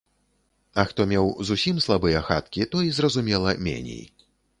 А хто меў зусім слабыя хаткі, той, зразумела, меней.